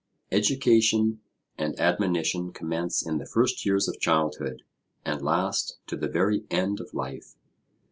Education and admonition commence in the first years of childhood, and last to the very end of life.